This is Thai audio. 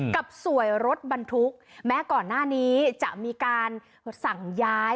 กับสวยรถบรรทุกแม้ก่อนหน้านี้จะมีการสั่งย้าย